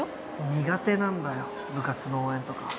苦手なんだよ部活の応援とか。